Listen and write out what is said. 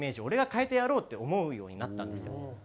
俺が変えてやろうって思うようになったんですよ。